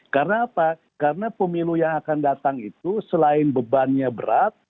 karena apa karena pemilu yang akan datang itu selain bebannya berat